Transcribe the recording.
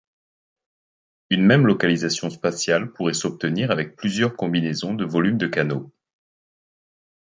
Une même localisation spatiale pourrait s'obtenir avec plusieurs combinaisons de volumes de canaux.